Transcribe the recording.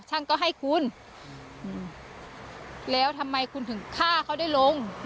ช่างก็ให้คุณแล้วทำไมคุณถึงฆ่าเขาได้ลง